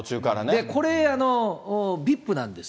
これ、ＶＩＰなんです。